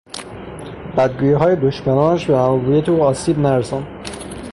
بدگوییهای دشمنانش به محبوبیت او آسیب نرساند.